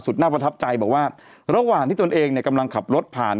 น่าประทับใจบอกว่าระหว่างที่ตนเองกำลังขับรถผ่าน